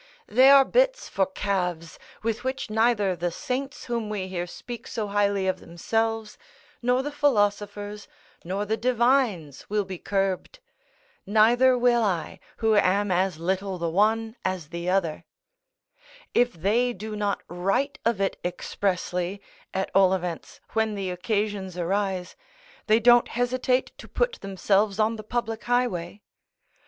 They are bits for calves, with which neither the saints whom we hear speak so highly of themselves, nor the philosophers, nor the divines will be curbed; neither will I, who am as little the one as the other, If they do not write of it expressly, at all events, when the occasions arise, they don't hesitate to put themselves on the public highway.